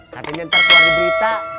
katanya ntar keluar di berita